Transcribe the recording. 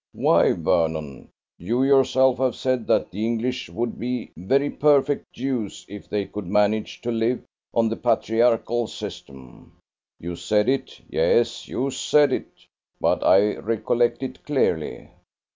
Why, Vernon, you yourself have said that the English would be very perfect Jews if they could manage to live on the patriarchal system. You said it, yes, you said it! but I recollect it clearly.